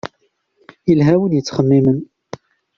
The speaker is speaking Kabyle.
Yelha win yettxemmimen.